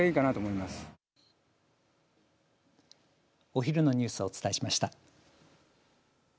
お昼のニュースをお伝えしました。